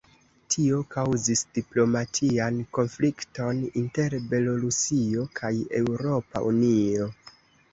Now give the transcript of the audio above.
Tio kaŭzis diplomatian konflikton inter Belorusio kaj Eŭropa Unio.